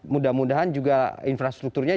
mudah mudahan juga infrastrukturnya